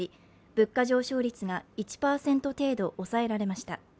物価上昇率が１％程度抑えられました。